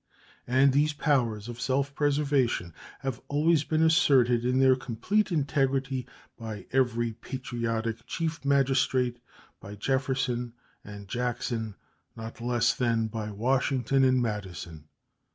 And these powers of self preservation have always been asserted in their complete integrity by every patriotic Chief Magistrate by Jefferson and Jackson not less than by Washington and Madison.